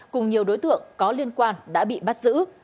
cùng nhiều đối tượng có liên quan đã bị bắt giữ